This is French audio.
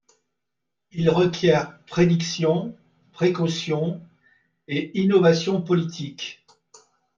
Il requiert prédiction, précaution et innovation politique.